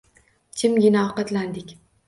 Jimgina ovqatlandik